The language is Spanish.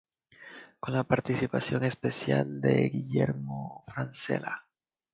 Con la participación especial de Guillermo Francella.